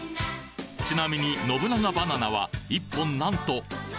ちなみに信長バナナは１本なんと３００円